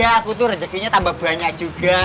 ya aku tuh rezekinya tambah banyak juga